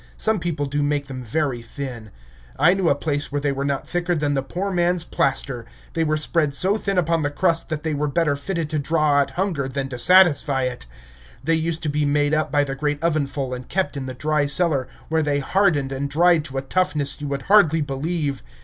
Some people do make them very thin. I knew a place where they were not thicker than the poor man's plaster; they were spread so thin upon the crust that they were better fitted to draw out hunger than to satisfy it. They used to be made up by the great oven full and kept in the dry cellar, where they hardened and dried to a toughness you would hardly believe.